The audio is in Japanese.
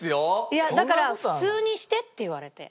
いやだから「普通にして」って言われて。